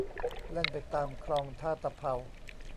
แล่นไปตามคลองท่าตะเภา